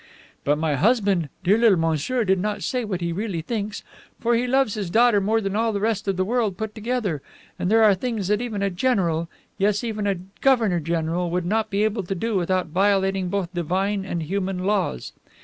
But my husband, dear little monsieur, did not say what he really thinks, for he loves his daughter more than all the rest of the world put together, and there are things that even a general, yes, even a governor general, would not be able to do without violating both divine and human laws.